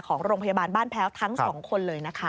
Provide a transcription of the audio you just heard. ของโรงพยาบาลบ้านแพ้วทั้งสองคนเลยนะคะ